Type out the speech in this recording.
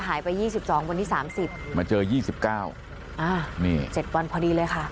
หายไป๒๒วันที่๓๐มาเจอ๒๙อ่านี่๗วันพอดีเลยค่ะ